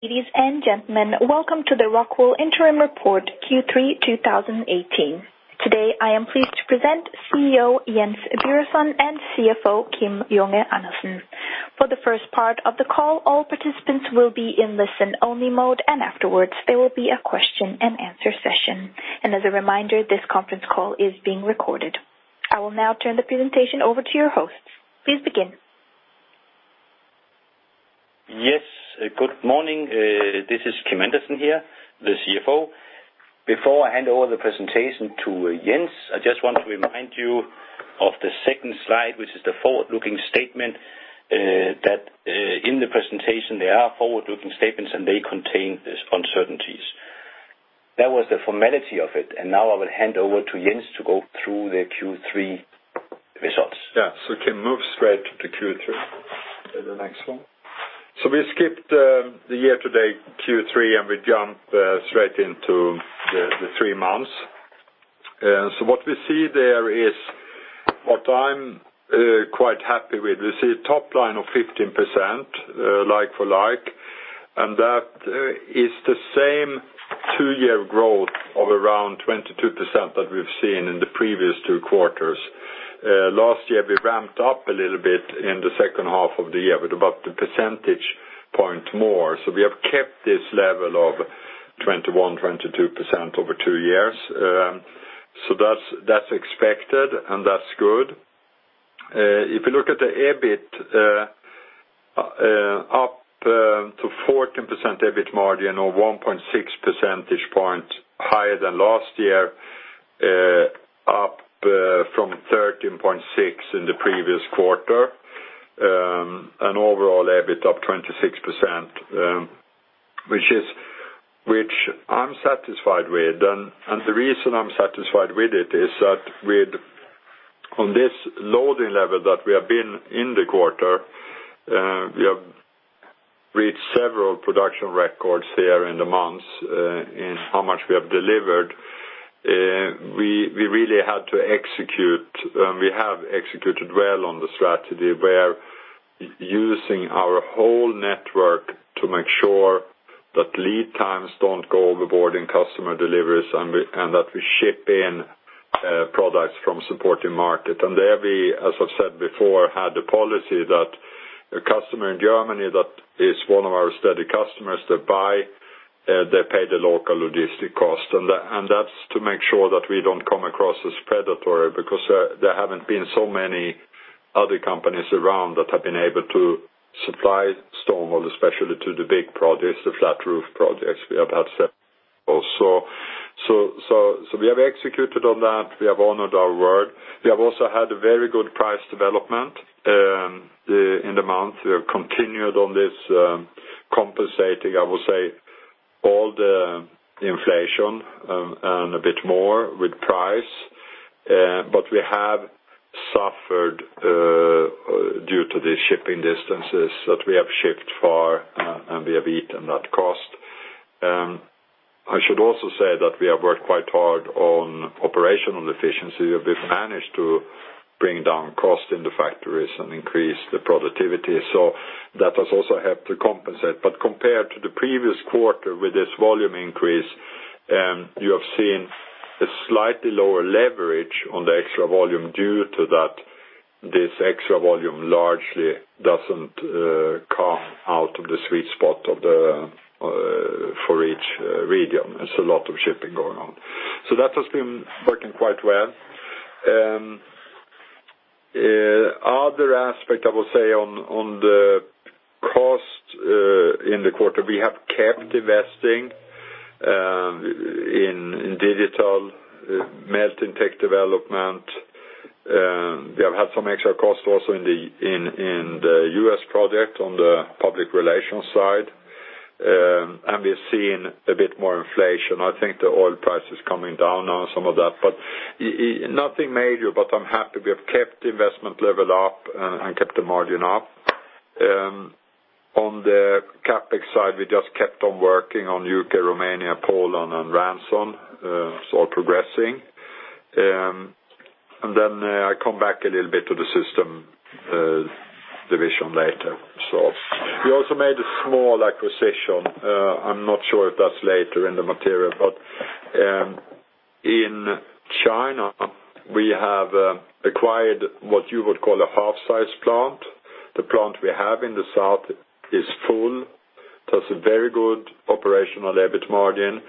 Ladies and gentlemen, welcome to the Rockwool Interim Report Q3 2018. Today, I am pleased to present CEO Jens Birgersson and CFO Kim Junge Andersen. For the first part of the call, all participants will be in listen-only mode. Afterwards, there will be a question and answer session. As a reminder, this conference call is being recorded. I will now turn the presentation over to your hosts. Please begin. Yes. Good morning. This is Kim Andersen here, the CFO. Before I hand over the presentation to Jens, I just want to remind you of the second slide, which is the forward-looking statement, that in the presentation there are forward-looking statements and they contain uncertainties. That was the formality of it. Now I will hand over to Jens to go through the Q3 results. Yeah. Kim, move straight to Q3. The next one. We skipped the year-to-date Q3, we jump straight into the three months. What we see there is what I'm quite happy with. We see a top line of 15% like-for-like, that is the same two-year growth of around 22% that we've seen in the previous two quarters. Last year, we ramped up a little bit in the second half of the year, with about a percentage point more. We have kept this level of 21%, 22% over two years. That's expected and that's good. If you look at the EBIT, up to 14% EBIT margin, or 1.6 percentage point higher than last year, up from 13.6 in the previous quarter. An overall EBIT up 26%, which I'm satisfied with. The reason I'm satisfied with it is that on this loading level that we have been in the quarter, we have reached several production records here in the months in how much we have delivered. We really had to execute, we have executed well on the strategy. We are using our whole network to make sure that lead times don't go overboard in customer deliveries, that we ship in products from supporting market. There we, as I've said before, had the policy that a customer in Germany that is one of our steady customers, they pay the local logistic cost. That's to make sure that we don't come across as predatory, because there haven't been so many other companies around that have been able to supply stone wool, especially to the big projects, the flat roof projects we have had several. We have executed on that. We have honored our word. We have also had a very good price development in the month. We have continued on this compensating, I will say, all the inflation, and a bit more with price. We have suffered due to the shipping distances that we have shipped far, and we have eaten that cost. I should also say that we have worked quite hard on operational efficiency. We've managed to bring down cost in the factories and increase the productivity. That has also helped to compensate. Compared to the previous quarter with this volume increase, you have seen a slightly lower leverage on the extra volume due to that this extra volume largely doesn't come out of the sweet spot for each region. There's a lot of shipping going on. That has been working quite well. Other aspect I will say on the cost in the quarter, we have kept investing in digital melting tech development. We have had some extra costs also in the U.S. project on the public relations side. We are seeing a bit more inflation. I think the oil price is coming down on some of that, but nothing major, but I'm happy we have kept the investment level up and kept the margin up. On the CapEx side, we just kept on working on U.K., Romania, Poland, and Ranson. It's all progressing. Then I come back a little bit to the system division later. We also made a small acquisition. I'm not sure if that's later in the material, but in China, we have acquired what you would call a half-size plant. The plant we have in the south is full, does a very good operational EBIT margin,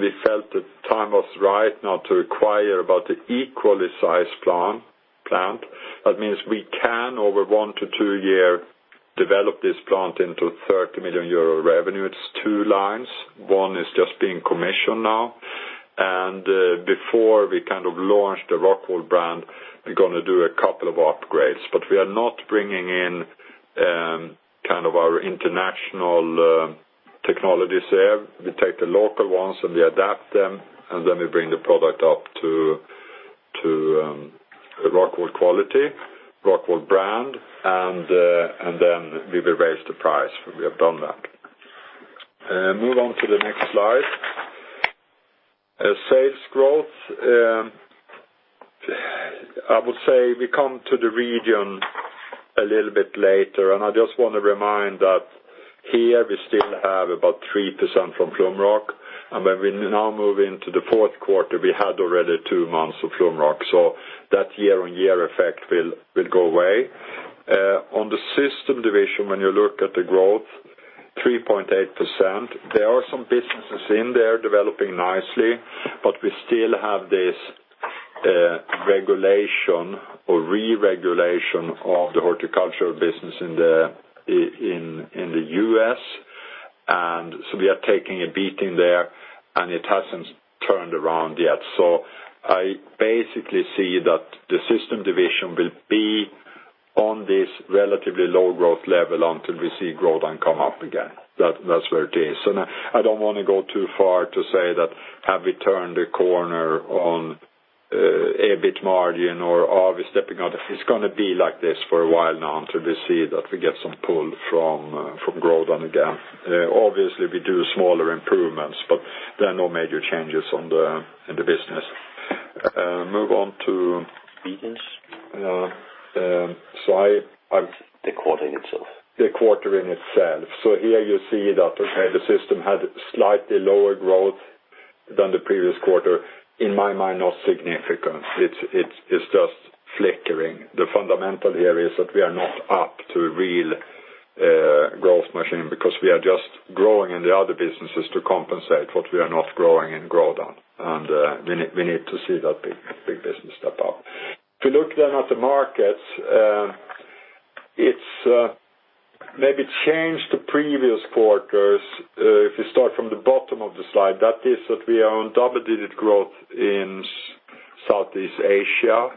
we felt the time was right now to acquire about the equally sized plant. That means we can, over one to two year, develop this plant into 30 million euro revenue. It's two lines. One is just being commissioned now. Before we kind of launch the Rockwool brand, we're going to do a couple of upgrades. We are not bringing in our international technologies there. We take the local ones and we adapt them, then we bring the product up to Rockwool quality, Rockwool brand, and then we will raise the price. We have done that. Move on to the next slide. We come to the region a little bit later, I just want to remind that here we still have about 3% from Flumroc. When we now move into the fourth quarter, we had already two months of Flumroc, so that year-on-year effect will go away. On the system division, when you look at the growth, 3.8%. There are some businesses in there developing nicely, but we still have this regulation or re-regulation of the horticultural business in the U.S., we are taking a beating there, and it hasn't turned around yet. I basically see that the system division will be on this relatively low growth level until we see growth and come up again. That's where it is. I don't want to go too far to say that have we turned a corner on EBIT margin or are we stepping out? It's going to be like this for a while now until we see that we get some pull from growth on again. We do smaller improvements, but there are no major changes in the business. Beacons? So I- The quarter itself. The quarter in itself. Here you see that the system had slightly lower growth than the previous quarter. In my mind, not significant. It's just flickering. The fundamental here is that we are not up to a real growth machine because we are just growing in the other businesses to compensate what we are not growing in Grodan. We need to see that big business step up. If you look then at the markets, it's maybe changed the previous quarters. If you start from the bottom of the slide, that is that we are on double-digit growth in Southeast Asia,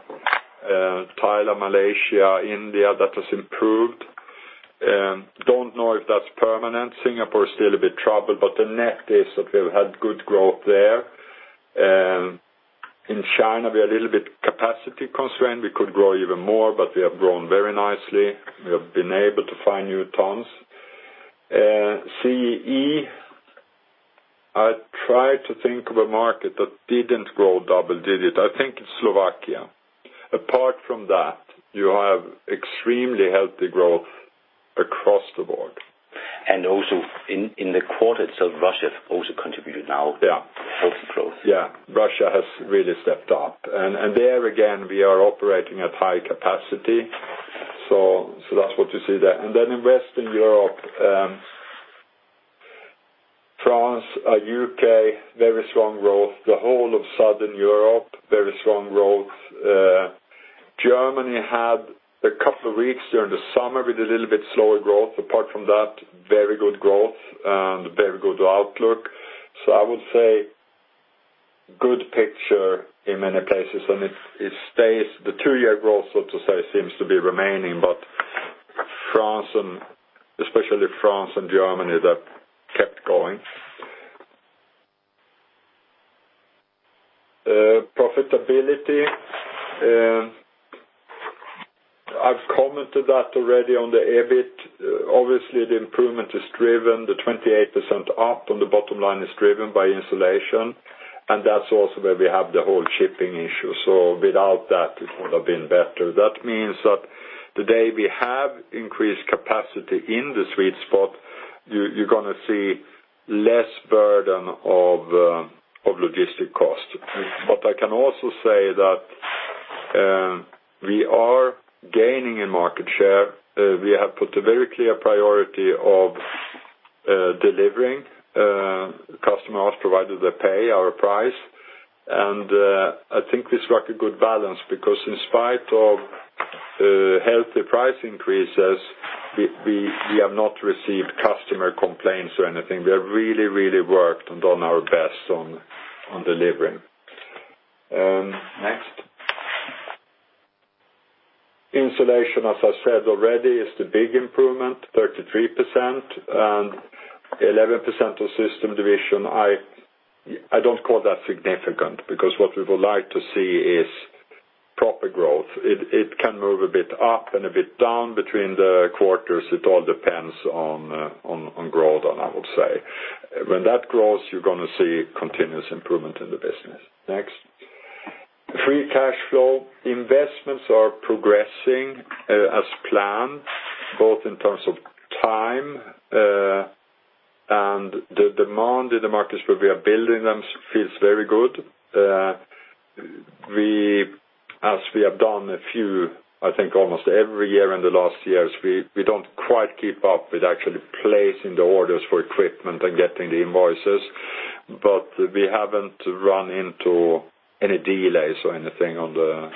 Thailand, Malaysia, India, that has improved. Don't know if that's permanent. Singapore is still a bit troubled, but the net is that we've had good growth there. In China, we are a little bit capacity constrained. We could grow even more, but we have grown very nicely. We have been able to find new tons. CEE, I try to think of a market that didn't grow double-digit. I think it's Slovakia. Apart from that, you have extremely healthy growth across the board. Also in the quarter itself, Russia also contributed. Yeah. Healthy growth. Yeah. Russia has really stepped up. There again, we are operating at high capacity. That's what you see there. In Western Europe, France, U.K., very strong growth. The whole of Southern Europe, very strong growth. Germany had a couple of weeks during the summer with a little bit slower growth. Apart from that, very good growth and very good outlook. I would say good picture in many places, and the two-year growth, so to say, seems to be remaining, but especially France and Germany that kept going. Profitability, I've commented that already on the EBIT. Obviously, the improvement is driven, the 28% up on the bottom line is driven by insulation, and that's also where we have the whole shipping issue. Without that, it would have been better. That means that today we have increased capacity in the sweet spot. You're going to see less burden of logistic cost. I can also say that we are gaining in market share. We have put a very clear priority of delivering. Customer has provided the pay, our price, and I think we struck a good balance because in spite of healthy price increases, we have not received customer complaints or anything. We have really worked and done our best on delivering. Next. Insulation, as I said already, is the big improvement, 33% and 11% of system division. I don't call that significant because what we would like to see is proper growth. It can move a bit up and a bit down between the quarters. It all depends on Grodan, I would say. When that grows, you're going to see continuous improvement in the business. Next. Free cash flow. Investments are progressing as planned, both in terms of time, and the demand in the markets where we are building them feels very good. As we have done a few, I think almost every year in the last years, we don't quite keep up with actually placing the orders for equipment and getting the invoices, but we haven't run into any delays or anything on the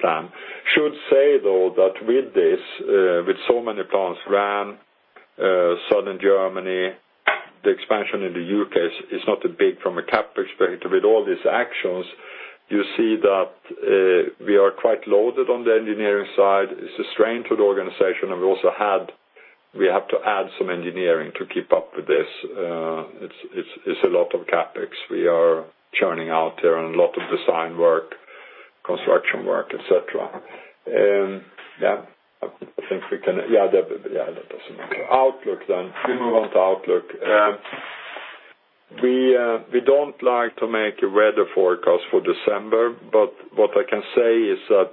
plan. I should say, though, that with this, with so many plans, Neuburg, Southern Germany, the expansion in the U.K. is not that big from a CapEx perspective. With all these actions, you see that we are quite loaded on the engineering side. It's a strain to the organization, and we have to add some engineering to keep up with this. It's a lot of CapEx we are churning out here and a lot of design work, construction work, et cetera. That doesn't matter. Outlook. We move on to outlook. What I can say is that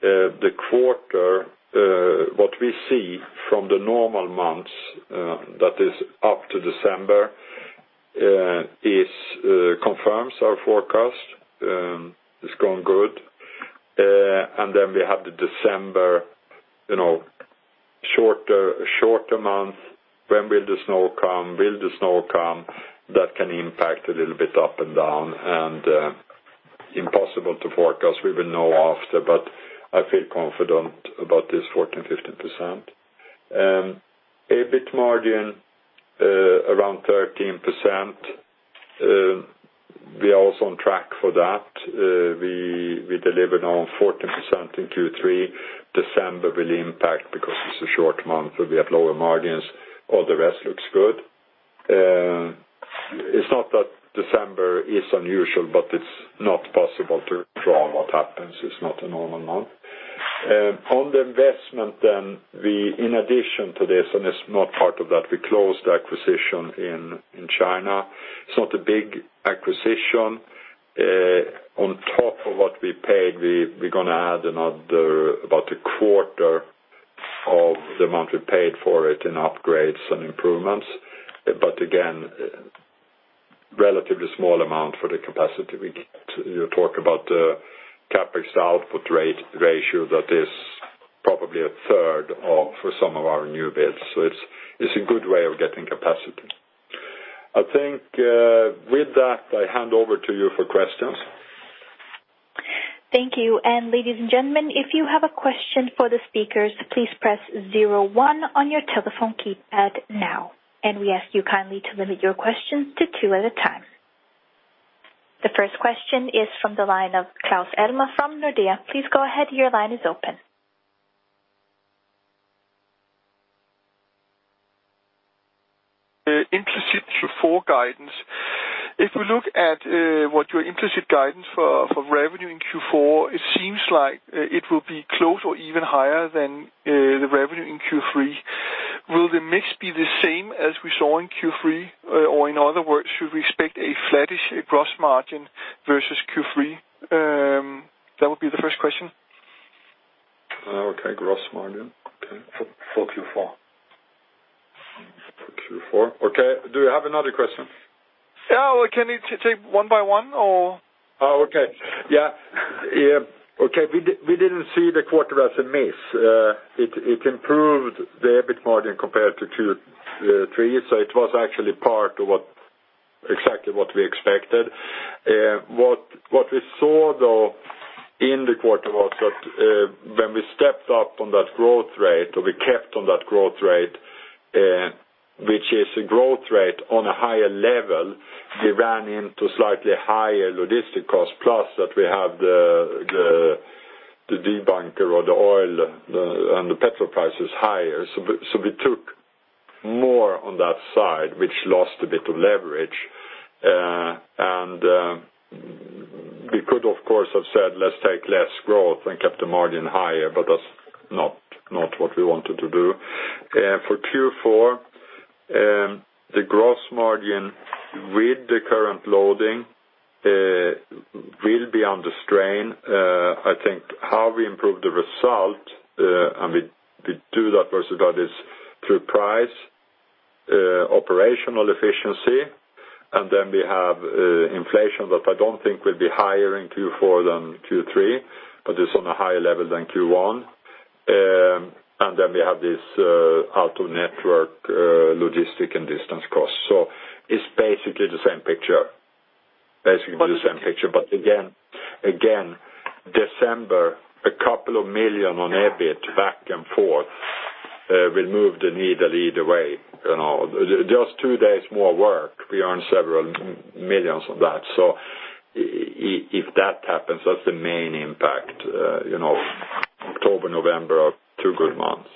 the quarter, what we see from the normal months, that is up to December, confirms our forecast. It's going good. We have the December shorter month. When will the snow come? Will the snow come? That can impact a little bit up and down, and impossible to forecast. We will know after, but I feel confident about this 14%-15%. EBIT margin around 13%. We are also on track for that. We delivered on 14% in Q3. December will impact because it's a short month, so we have lower margins. All the rest looks good. It's not that December is unusual, but it's not possible to draw what happens. It's not a normal month. On the investment then, in addition to this, and it's not part of that, we closed the acquisition in China. It's not a big acquisition. On top of what we paid, we're going to add another about a quarter of the amount we paid for it in upgrades and improvements. Again, relatively small amount for the capacity we get. You talk about the CapEx output rate ratio that is probably a third for some of our new bids. It's a good way of getting capacity. I think with that, I hand over to you for questions. Thank you. Ladies and gentlemen, if you have a question for the speakers, please press zero one on your telephone keypad now. We ask you kindly to limit your questions to two at a time. The first question is from the line of Claus Almer from Nordea. Please go ahead. Your line is open. Implicit Q4 guidance. If we look at what your implicit guidance for revenue in Q4, it seems like it will be close or even higher than the revenue in Q3. Will the mix be the same as we saw in Q3? In other words, should we expect a flattish gross margin versus Q3? That would be the first question. Okay. Gross margin. Okay. For Q4. For Q4. Okay. Do you have another question? Yeah. Can you take one by one or? Okay. Yeah. Okay. We didn't see the quarter as a miss. It improved the EBIT margin compared to Q3, so it was actually part of exactly what we expected. What we saw, though, in the quarter was that when we stepped up on that growth rate, or we kept on that growth rate, which is a growth rate on a higher level, we ran into slightly higher logistic cost plus that we have the bunker or the oil and the petrol price is higher. We took more on that side, which lost a bit of leverage. We could, of course, have said, let's take less growth and kept the margin higher, but that's not what we wanted to do. For Q4, the gross margin with the current loading will be under strain. I think how we improve the result, we do that versus others through price, operational efficiency, we have inflation that I don't think will be higher in Q4 than Q3, but it's on a higher level than Q1. We have this auto network logistic and distance cost. It's basically the same picture, but again, December, a couple of million on EBIT back and forth will move the needle either way. Just two days more work, we earn several millions on that. If that happens, that's the main impact. October, November are two good months.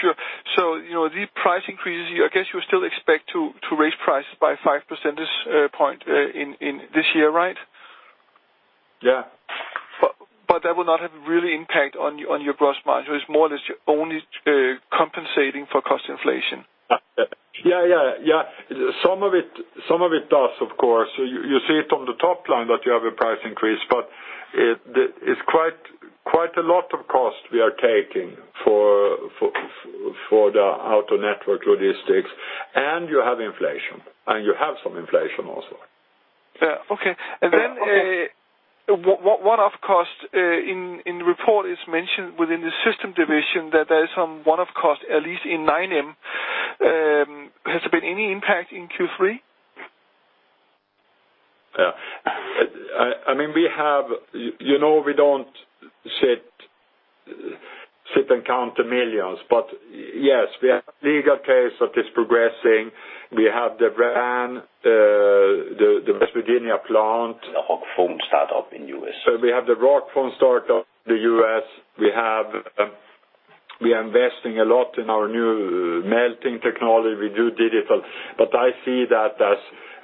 Sure. The price increases, I guess you still expect to raise prices by 5% this point in this year, right? Yeah. That will not have real impact on your gross margin. It's more or less you're only compensating for cost inflation. Some of it does, of course. You see it on the top line that you have a price increase, but it's quite a lot of cost we are taking for our network logistics, and you have inflation, and you have some inflation also. One-off cost in the report is mentioned within the system division that there is some one-off cost, at least in 9M. Has there been any impact in Q3? You know we don't sit and count the millions, but yes, we have a legal case that is progressing. We have the Ranson, the West Virginia plant. The Rockwool startup in U.S. We have the Rockwool startup in the U.S. We are investing a lot in our new melting technology. We do digital, but I see that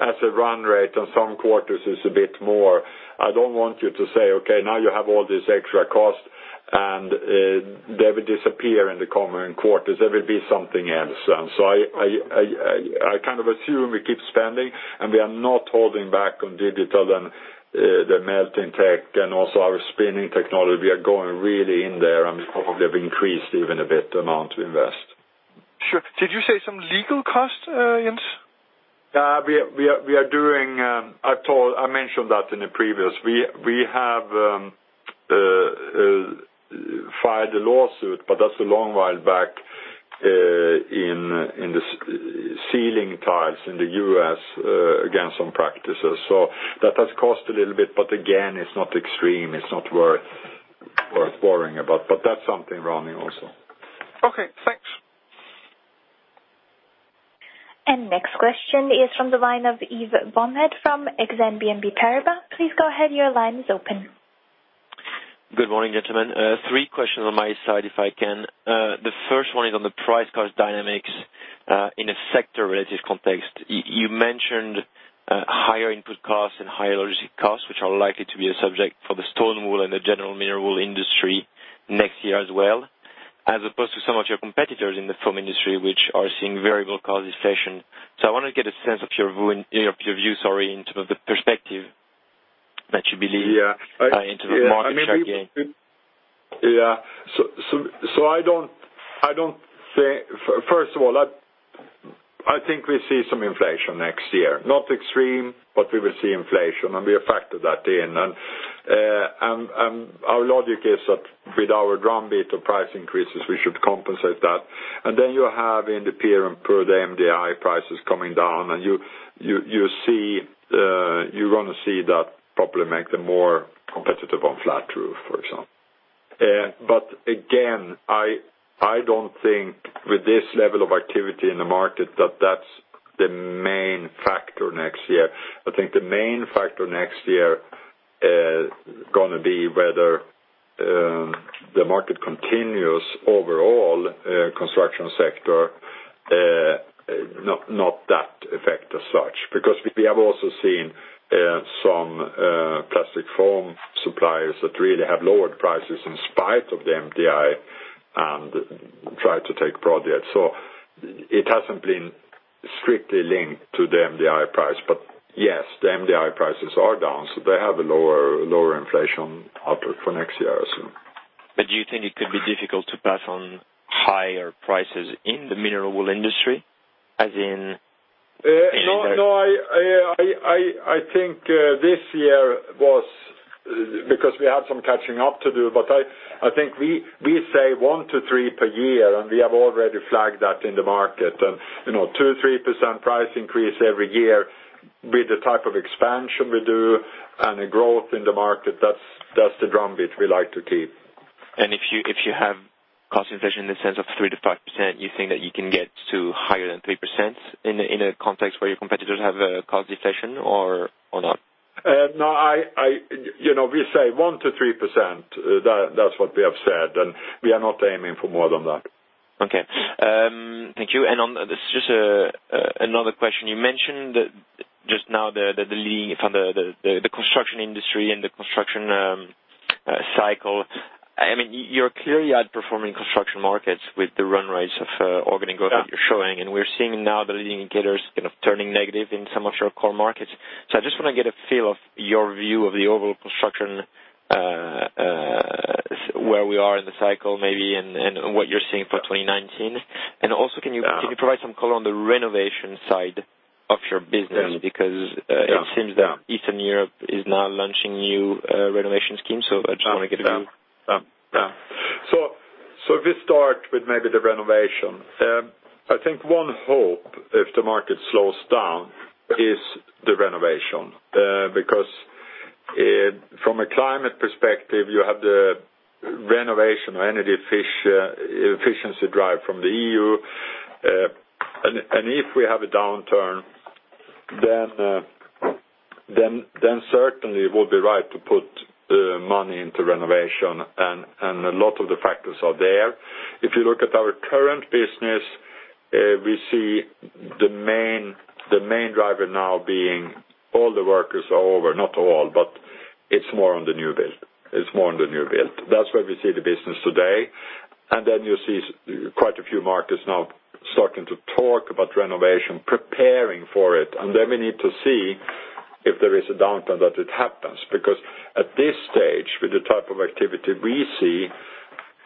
as a run rate on some quarters is a bit more. I don't want you to say, okay, now you have all this extra cost. They will disappear in the coming quarters. There will be something else. I kind of assume we keep spending, and we are not holding back on digital and the melting tech and also our spinning technology. We are going really in there, and we probably have increased even a bit amount to invest. Sure. Did you say some legal cost, Jens? I mentioned that in the previous. We have fired a lawsuit, that's a long while back in the ceiling tiles in the U.S. against some practices. That has cost a little bit, again, it's not extreme. It's not worth worrying about. That's something running also. Okay, thanks. Next question is from the line of Yves Bonnod from Exane BNP Paribas. Please go ahead. Your line is open. Good morning, gentlemen. Three questions on my side, if I can. The first one is on the price cost dynamics, in a sector relative context. You mentioned higher input costs and higher energy costs, which are likely to be a subject for the stone wool and the general mineral wool industry next year as well, as opposed to some of your competitors in the foam industry, which are seeing variable cost inflation. I want to get a sense of your view, sorry, in terms of the perspective that you believe- Yeah into the market share gain. First of all, I think we see some inflation next year. Not extreme, but we will see inflation, and we have factored that in. Our logic is that with our drum beat of price increases, we should compensate that. Then you have in the P&L the MDI prices coming down, and you're going to see that probably make them more competitive on flat roof, for example. Again, I don't think with this level of activity in the market that that's the main factor next year. I think the main factor next year is going to be whether the market continues overall construction sector, not that effect as such. We have also seen some plastic foam suppliers that really have lowered prices in spite of the MDI, and tried to take projects. It hasn't been strictly linked to the MDI price, yes, the MDI prices are down, they have a lower inflation outlook for next year, I assume. Do you think it could be difficult to pass on higher prices in the mineral wool industry? I think this year was because we had some catching up to do, but I think we say one to three per year, and we have already flagged that in the market. 2%-3% price increase every year with the type of expansion we do and the growth in the market, that's the drum beat we like to keep. If you have cost inflation in the sense of 3%-5%, you think that you can get to higher than 3% in a context where your competitors have a cost deflation or not? We say 1%-3%. That's what we have said, and we are not aiming for more than that. Thank you. This is just another question. You mentioned just now the construction industry and the construction cycle. You're clearly outperforming construction markets with the run rates of organic growth that you're showing, and we're seeing now the leading indicators kind of turning negative in some of your core markets. I just want to get a feel of your view of the overall construction, where we are in the cycle, maybe, and what you're seeing for 2019. Also, can you provide some color on the renovation side of your business? Yes. It seems that Eastern Europe is now launching new renovation schemes. I just want to get a view. Yeah. If we start with maybe the renovation. I think one hope if the market slows down is the renovation. From a climate perspective, you have the renovation or energy efficiency drive from the EU. If we have a downturn, certainly it would be right to put money into renovation, and a lot of the factors are there. If you look at our current business, we see the main driver now being all the workers are over, not all, but it's more on the new build. That's where we see the business today. You see quite a few markets now starting to talk about renovation, preparing for it. We need to see if there is a downturn that it happens, at this stage, with the type of activity we see,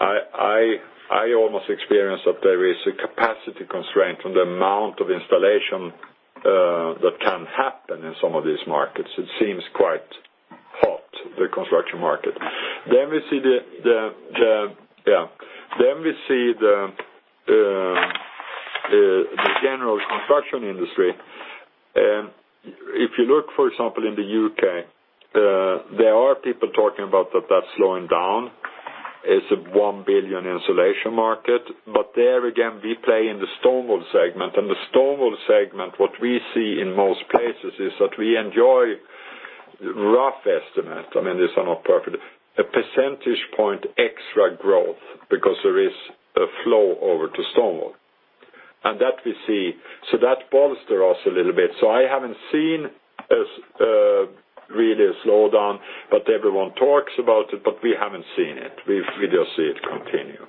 I almost experience that there is a capacity constraint on the amount of installation that can happen in some of these markets. It seems quite hot, the construction market. We see the general construction industry. If you look, for example, in the U.K., there are people talking about that that's slowing down. It's a 1 billion insulation market. There again, we play in the stone wool segment. The stone wool segment, what we see in most places is that we enjoy rough estimate, I mean, these are not perfect, a percentage point extra growth because flow over to stone wool. That we see, that bolster us a little bit. I haven't seen really a slowdown, everyone talks about it, we haven't seen it. We just see it continue.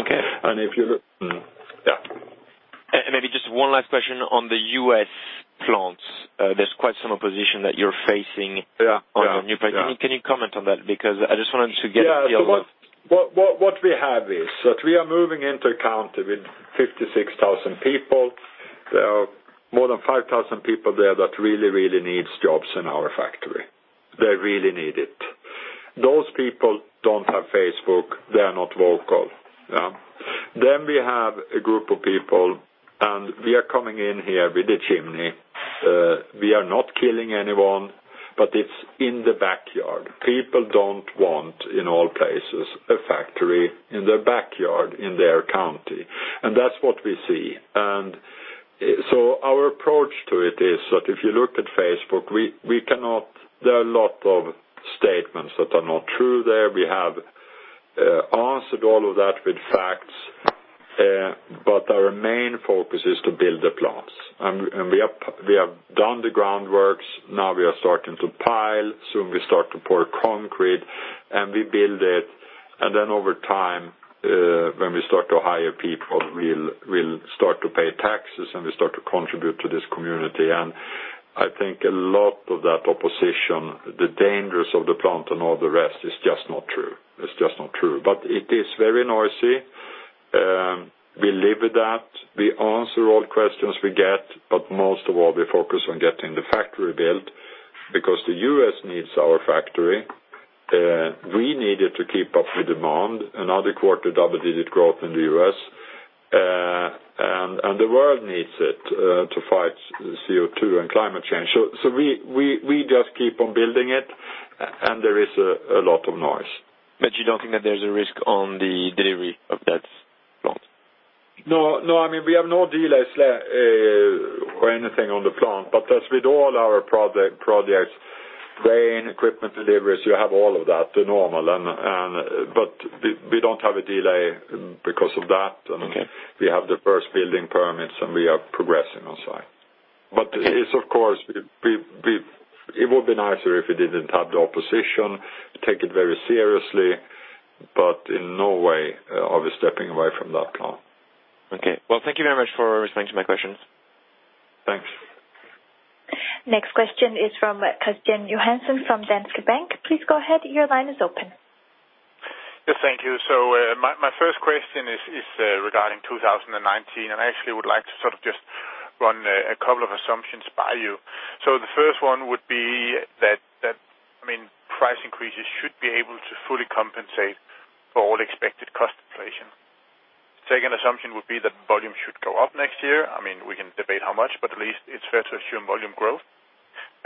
Okay. If you look. Yeah. Maybe just one last question on the U.S. plants. There's quite some opposition that you're facing- Yeah. -on your new plant. Can you comment on that? I just wanted to get a feel of- What we have is that we are moving into a county with 56,000 people. There are more than 5,000 people there that really needs jobs in our factory. They really need it. Those people don't have Facebook, they are not vocal. We have a group of people, and we are coming in here with a chimney. We are not killing anyone, but it's in the backyard. People don't want, in all places, a factory in their backyard, in their county. That's what we see. Our approach to it is that if you look at Facebook, there are a lot of statements that are not true there. We have answered all of that with facts, but our main focus is to build the plants. We have done the groundworks, now we are starting to pile, soon we start to pour concrete and we build it, over time, when we start to hire people, we'll start to pay taxes and we start to contribute to this community. I think a lot of that opposition, the dangers of the plant and all the rest, is just not true. It is very noisy. We live with that. We answer all questions we get, but most of all, we focus on getting the factory built because the U.S. needs our factory. We need it to keep up with demand. Another quarter, double-digit growth in the U.S. The world needs it to fight CO2 and climate change. We just keep on building it, and there is a lot of noise. You don't think that there's a risk on the delivery of that plant? No, we have no delays or anything on the plant, but as with all our projects, rain, equipment deliveries, you have all of that, the normal. We don't have a delay because of that. Okay. We have the first building permits, and we are progressing on site. It would be nicer if we didn't have the opposition, take it very seriously, but in no way are we stepping away from that plant. Okay. Well, thank you very much for responding to my questions. Thanks. Next question is from Kristian Johansen from Danske Bank. Please go ahead. Your line is open. Yes, thank you. My first question is regarding 2019, and I actually would like to sort of just run a couple of assumptions by you. The first one would be that price increases should be able to fully compensate for all expected cost inflation. Second assumption would be that volume should go up next year. We can debate how much, but at least it is fair to assume volume growth.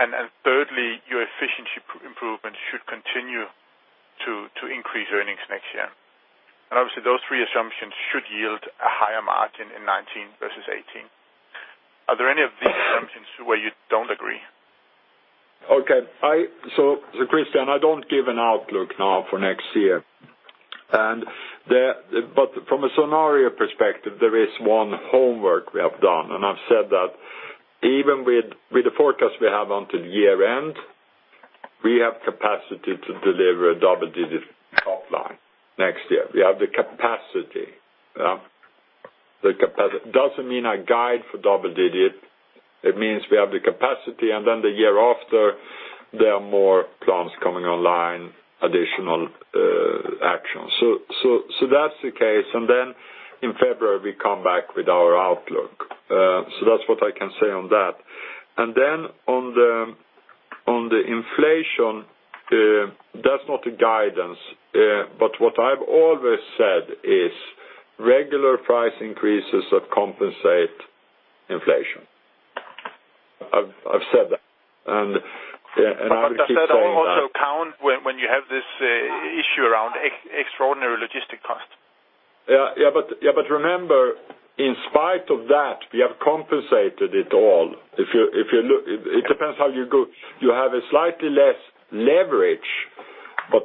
Thirdly, your efficiency improvements should continue to increase earnings next year. Obviously those three assumptions should yield a higher margin in 2019 versus 2018. Are there any of these assumptions where you do not agree? Okay. Kristian, I do not give an outlook now for next year. From a scenario perspective, there is one homework we have done, and I have said that even with the forecast we have until year-end, we have capacity to deliver a double-digit top line next year. We have the capacity. It does not mean I guide for double digit. It means we have the capacity the year after, there are more plants coming online, additional actions. That is the case, in February we come back with our outlook. That is what I can say on that. On the inflation, that is not a guidance. What I have always said is regular price increases that compensate inflation. I have said that, and I will keep saying that. Does that also count when you have this issue around extraordinary logistic cost? Remember, in spite of that, we have compensated it all. It depends how you go. You have a slightly less leverage, but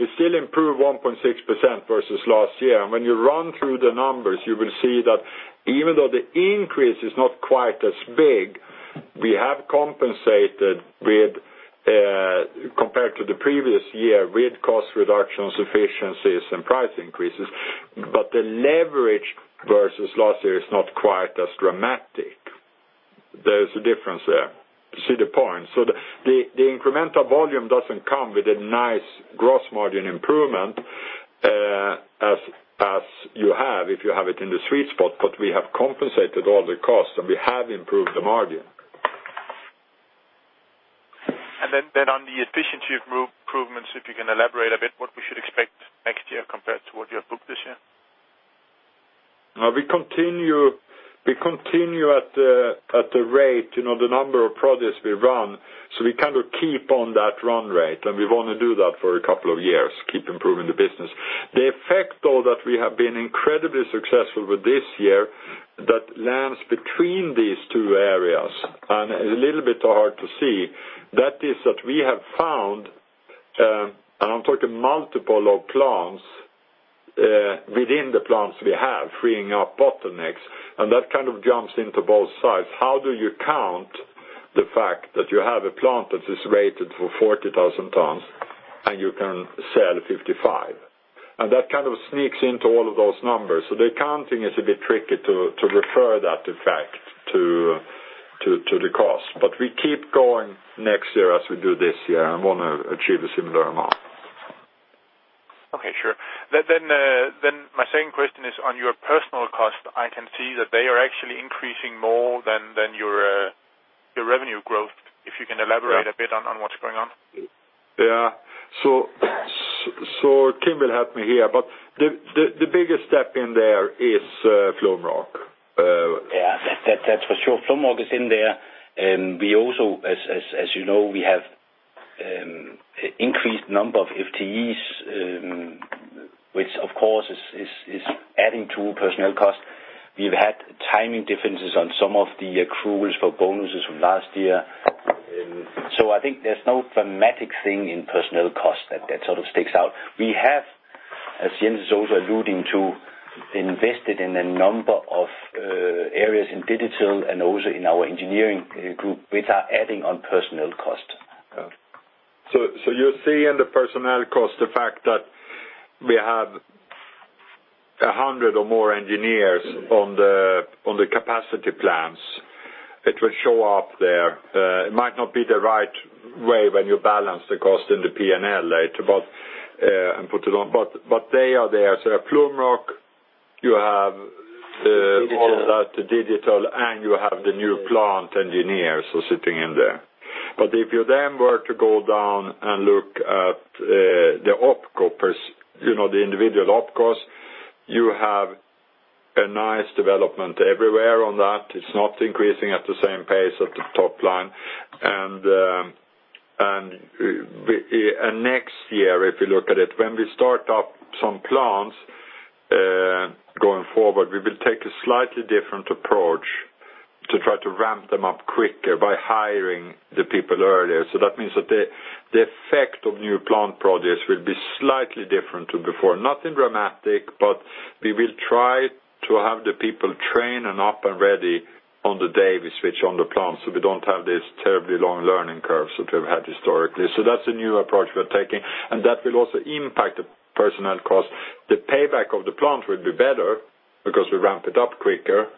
we still improve 1.6% versus last year. When you run through the numbers, you will see that even though the increase is not quite as big, we have compensated compared to the previous year with cost reductions, efficiencies, and price increases. The leverage versus last year is not quite as dramatic. There's a difference there. You see the point? The incremental volume doesn't come with a nice gross margin improvement, as you have if you have it in the sweet spot, but we have compensated all the costs, and we have improved the margin. On the efficiency improvements, if you can elaborate a bit what we should expect next year compared to what you have booked this year? We continue at the rate, the number of projects we run. We kind of keep on that run rate, and we want to do that for a couple of years, keep improving the business. The effect, though, that we have been incredibly successful with this year that lands between these two areas and is a little bit hard to see, that is that we have found. I'm talking multiple of plants within the plants we have, freeing up bottlenecks, and that kind of jumps into both sides. How do you count the fact that you have a plant that is rated for 40,000 tons and you can sell 55? That kind of sneaks into all of those numbers. The counting is a bit tricky to refer that effect to the cost. we keep going next year as we do this year and want to achieve a similar amount. Okay, sure. my second question is on your personnel cost, I can see that they are actually increasing more than your revenue growth, if you can elaborate a bit on what's going on. Kim will help me here, the biggest step in there is Flumroc. That's for sure. Flumroc is in there. We also, as you know, we have increased number of FTEs, which of course is adding to personnel cost. We've had timing differences on some of the accruals for bonuses from last year. I think there's no thematic thing in personnel cost that sort of sticks out. We have, as Jens is also alluding to, invested in a number of areas in digital and also in our engineering group, which are adding on personnel cost. You're seeing the personnel cost, the fact that we have 100 or more engineers on the capacity plans. It will show up there. It might not be the right way when you balance the cost in the P&L later, but they are there. Flumroc, you have- The digital The digital, you have the new plant engineers who are sitting in there. If you then were to go down and look at the OpCo first, the individual OpCost, you have a nice development everywhere on that. It's not increasing at the same pace at the top line. Next year, if you look at it, when we start up some plants, going forward, we will take a slightly different approach to try to ramp them up quicker by hiring the people earlier. That means that the effect of new plant projects will be slightly different to before. Nothing dramatic, but we will try to have the people trained and up and ready on the day we switch on the plant, so we don't have this terribly long learning curve that we've had historically. That's a new approach we're taking, and that will also impact the personnel cost. The payback of the plant will be better because we ramp it up quicker.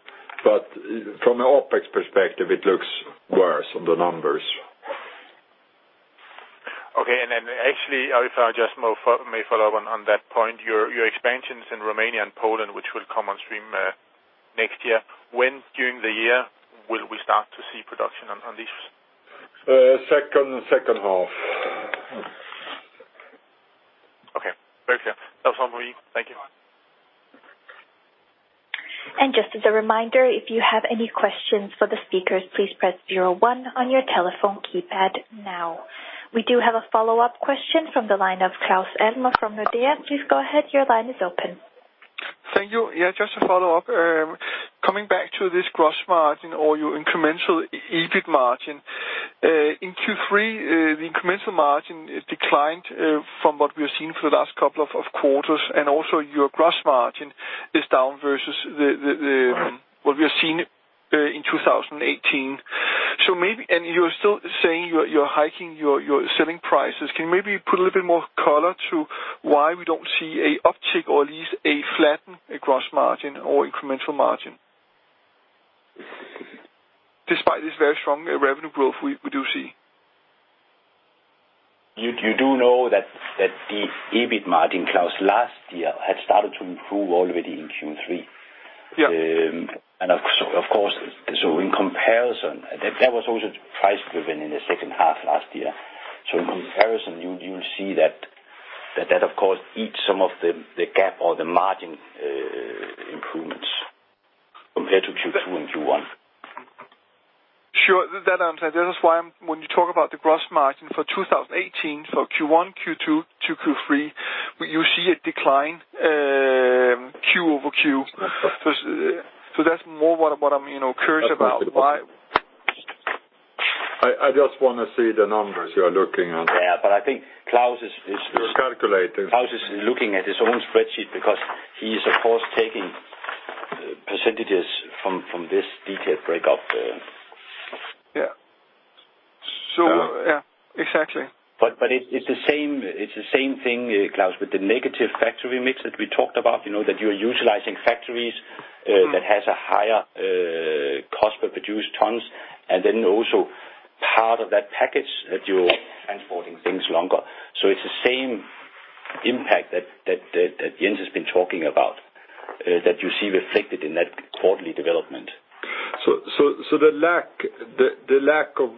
From an OpEx perspective, it looks worse on the numbers. Actually, if I just may follow on that point, your expansions in Romania and Poland, which will come on stream next year. When during the year will we start to see production on these? Second half. Okay. Very clear. That's all for me. Thank you. Just as a reminder, if you have any questions for the speakers, please press zero one on your telephone keypad now. We do have a follow-up question from the line of Claus Almer from Nordea. Please go ahead, your line is open. Thank you. Yeah, just to follow up. Coming back to this gross margin or your incremental EBIT margin. In Q3, the incremental margin declined from what we have seen for the last couple of quarters, and also your gross margin is down versus what we have seen in 2018. You're still saying you're hiking your selling prices. Can you maybe put a little bit more color to why we don't see an uptick or at least a flatten gross margin or incremental margin? Despite this very strong revenue growth we do see. You do know that the EBIT margin, Claus, last year had started to improve already in Q3. Yeah. Of course, in comparison, that was also price-driven in the second half last year. In comparison, you'll see that of course eats some of the gap or the margin improvements compared to Q2 and Q1. Sure. That I understand. This is why when you talk about the gross margin for 2018, for Q1, Q2 to Q3, you see a decline Q over Q. That's more what I'm curious about. Why? I just want to see the numbers you're looking at. Yeah. I think Claus. He's calculating Claus is looking at his own spreadsheet because he's of course taking percentages from this detailed breakup. Yeah. Yeah. Exactly. It's the same thing, Claus, with the negative factory mix that we talked about, that you're utilizing factories that has a higher cost per produced tons, and then also part of that package that you're transporting things longer. It's the same impact that Jens has been talking about, that you see reflected in that quarterly development. The lack of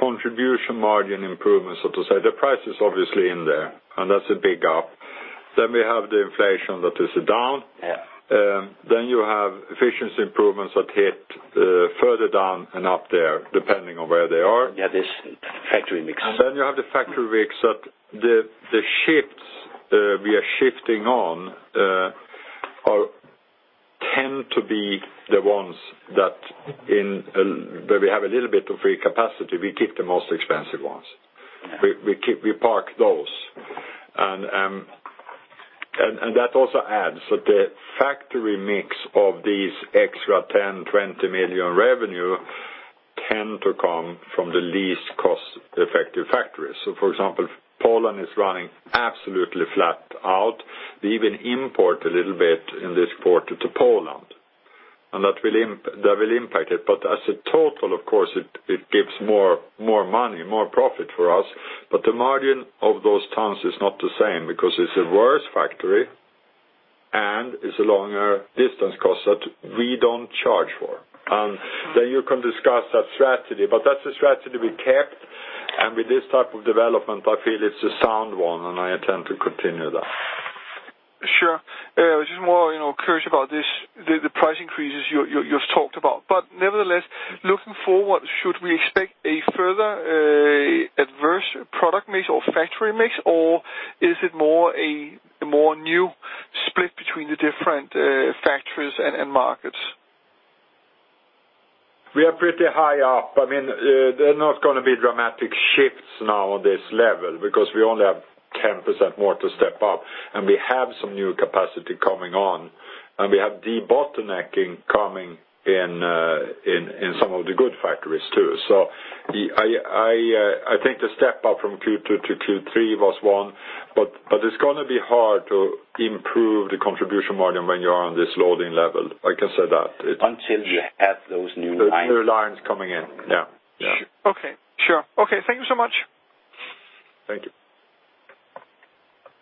contribution margin improvement, so to say, the price is obviously in there, and that's a big up. We have the inflation that is down. Yeah. You have efficiency improvements that hit further down and up there, depending on where they are. Yeah, this factory mix. You have the factory mix that the shifts we are shifting on tend to be the ones that where we have a little bit of free capacity, we keep the most expensive ones. Yeah. We park those. That also adds. The factory mix of these extra 10 million, 20 million revenue tend to come from the least cost-effective factories. For example, Poland is running absolutely flat out. We even import a little bit in this quarter to Poland, and that will impact it, but as a total, of course, it gives more money, more profit for us, but the margin of those tons is not the same, because it's a worse factory, and it's a longer distance cost that we don't charge for. You can discuss that strategy, but that's the strategy we kept, and with this type of development, I feel it's a sound one, and I intend to continue that. Sure. Just more curious about this, the price increases you just talked about. Nevertheless, looking forward, should we expect a further adverse product mix or factory mix, or is it a more new split between the different factories and markets? We are pretty high up. There are not going to be dramatic shifts now on this level because we only have 10% more to step up, and we have some new capacity coming on, and we have debottlenecking coming in some of the good factories too. I think the step up from Q2 to Q3 was one, but it's going to be hard to improve the contribution margin when you're on this loading level, I can say that. Until you have those new lines. New lines coming in. Yeah. Okay. Sure. Okay. Thank you so much. Thank you.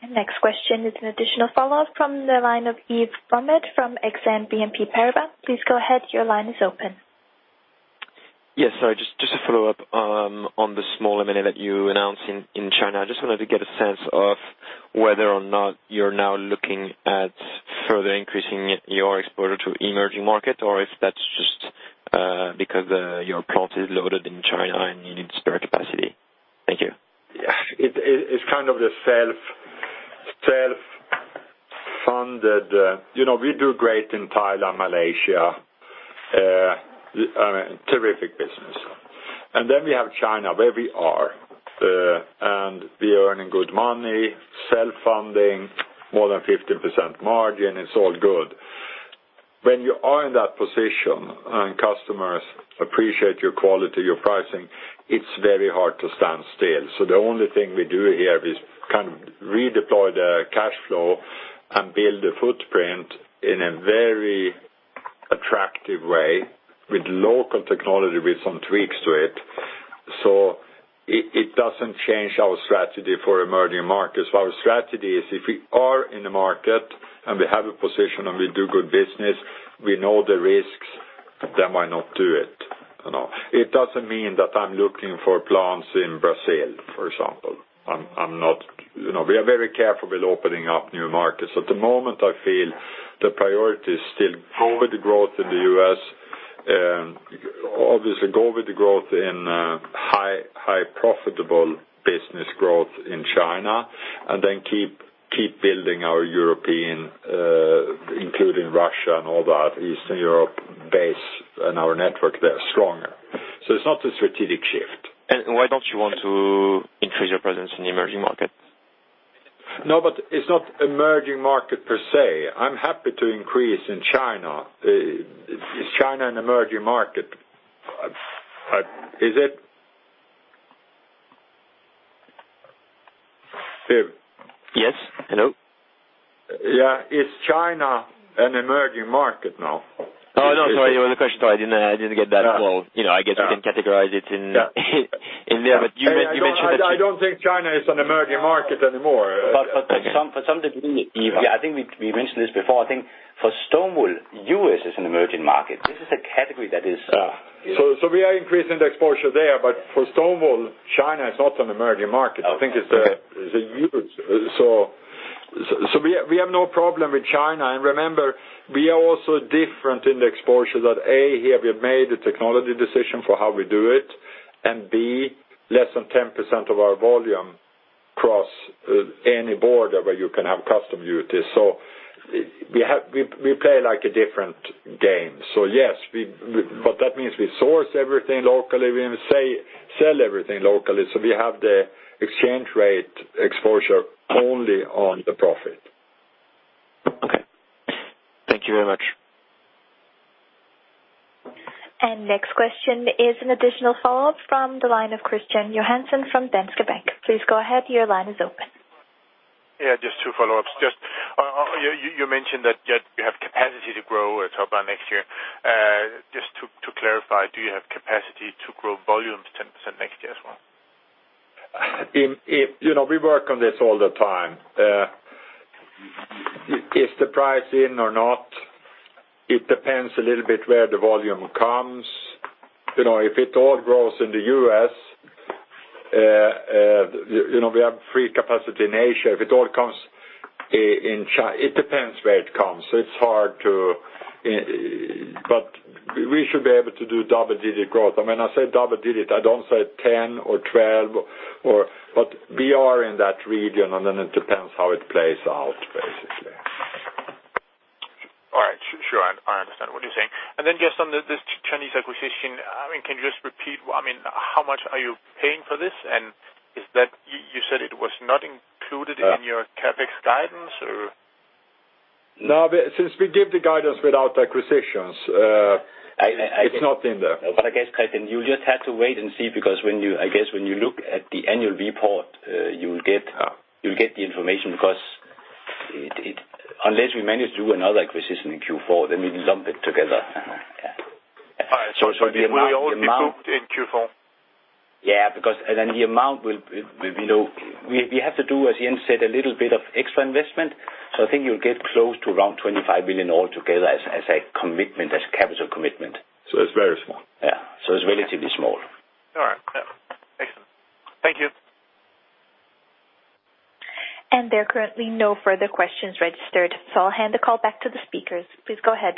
Next question is an additional follow-up from the line of Yves Bonnod from Exane BNP Paribas. Please go ahead. Your line is open. Yes. Sorry, just a follow-up on the small M&A that you announced in China. I just wanted to get a sense of whether or not you're now looking at further increasing your exposure to emerging market or if that's just because your plant is loaded in China and you need spare capacity. Thank you. Yeah. It's kind of the self-funded. We do great in Thailand, Malaysia, terrific business. Then we have China where we are, and we are earning good money, self-funding, more than 15% margin. It's all good. When you are in that position and customers appreciate your quality, your pricing, it's very hard to stand still. The only thing we do here is redeploy the cash flow and build the footprint in a very attractive way with local technology, with some tweaks to it. It doesn't change our strategy for emerging markets. Our strategy is if we are in the market, and we have a position, and we do good business, we know the risks, then why not do it? It doesn't mean that I'm looking for plants in Brazil, for example. We are very careful with opening up new markets. At the moment, I feel the priority is still COVID growth in the U.S., obviously COVID growth in high profitable business growth in China, and then keep building our European, including Russia and all that Eastern Europe base and our network there stronger. It's not a strategic shift. Why don't you want to increase your presence in emerging markets? No, it's not emerging market per se. I'm happy to increase in China. Is China an emerging market? Is it? Yves? Yes. Hello. Yeah. Is China an emerging market now? Oh, no, sorry. I didn't get that. Well, I guess you can categorize it in there, you mentioned that you- I don't think China is an emerging market anymore. For some, Yves, I think we mentioned this before, I think for stone wool, U.S. is an emerging market. This is a category that is- We are increasing the exposure there, but for stone wool, China is not an emerging market. Okay. I think it's a huge We have no problem with China, remember, we are also different in the exposure that, A, here we have made a technology decision for how we do it, B, less than 10% of our volume cross any border where you can have custom duties. We play like a different game. Yes, but that means we source everything locally, we sell everything locally. We have the exchange rate exposure only on the profit. Okay. Thank you very much. Next question is an additional follow-up from the line of Kristian Johansen from Danske Bank. Please go ahead. Your line is open. Yeah, just two follow-ups. Just you mentioned that you have capacity to grow at about next year. Just to clarify, do you have capacity to grow volume to 10% next year as well? We work on this all the time. Is the price in or not? It depends a little bit where the volume comes. If it all grows in the U.S., we have free capacity in Asia. It depends where it comes. We should be able to do double-digit growth. When I say double digit, I don't say 10 or 12, but we are in that region, and then it depends how it plays out, basically. All right. Sure. I understand what you're saying. Just on this Chinese acquisition, can you just repeat, how much are you paying for this? You said it was not included in your CapEx guidance, or? No, since we give the guidance without acquisitions, it's not in there. I guess, Kristian, you will just have to wait and see because I guess when you look at the annual report, you'll get the information because unless we manage to do another acquisition in Q4, then we lump it together. All right. It will all be booked in Q4? Because we have to do, as Jens said, a little bit of extra investment. I think you'll get close to around 25 million altogether as a capital commitment. It's very small. Yeah. It's relatively small. All right. Yeah. Excellent. Thank you. There are currently no further questions registered, so I'll hand the call back to the speakers. Please go ahead.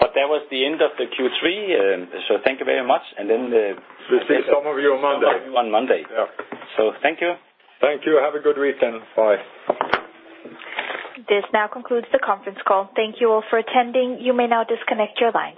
That was the end of the Q3, so thank you very much. We'll see some of you on Monday. Some of you on Monday. Yeah. Thank you. Thank you. Have a good weekend. Bye. This now concludes the conference call. Thank you all for attending. You may now disconnect your lines.